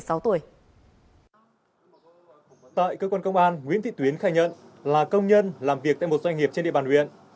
tại cơ quan công an nguyễn thị tuyến khai nhận là công nhân làm việc tại một doanh nghiệp trên địa bàn huyện